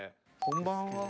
こんばんは。